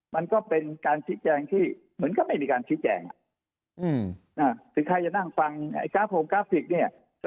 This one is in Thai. มันก็เป็นการพิจารณ์ที่เหมือนกับไม่มีการพิจารณ์อืมน่ะถือใครจะนั่งฟังไอ้กราฟโฟงกราฟฟิกเนี้ย